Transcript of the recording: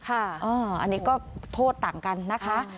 อันนี้ก็โทษต่างกันนะคะ